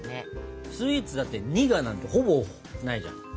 スイーツだって「苦」なんてほぼないじゃん。